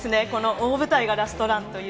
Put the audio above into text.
大舞台がラストラン。